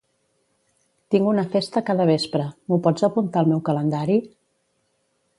Tinc una festa cada vespre, m'ho pots apuntar al meu calendari?